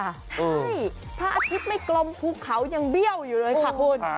ใช่พระอาทิตย์ไม่กลมภูเขายังเบี้ยวอยู่เลยค่ะคุณ